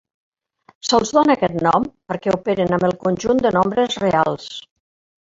Se'ls dona aquest nom perquè operen amb el conjunt de nombres reals.